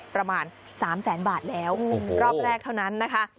ประมาณ๓แสนบาทแล้วรอบแรกเท่านั้นนะคะ